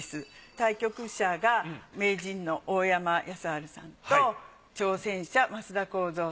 対局者が名人の大山康晴さんと挑戦者升田幸三さんです。